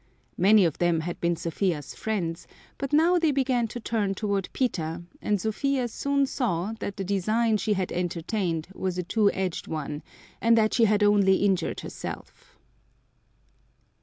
Many of them had been Sophia's friends, but now they began to turn toward Peter, and Sophia soon saw that the design she had entertained was a two edged one, and that she had only injured herself.